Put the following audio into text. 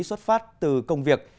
xuất phát từ công việc